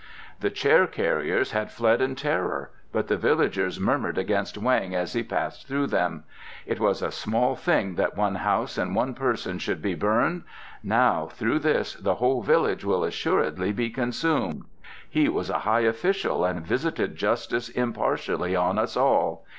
The chair carriers had fled in terror, but the villagers murmured against Weng as he passed through them. "It was a small thing that one house and one person should be burned; now, through this, the whole village will assuredly be consumed. He was a high official and visited justice impartially on us all.